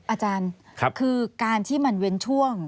อาจารย์คือการที่มันเว้นช่วง